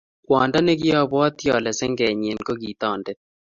kwondo nekiobwoti ale sengenyenyin ko ki toonde